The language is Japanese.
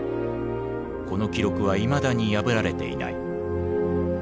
この記録はいまだに破られていない。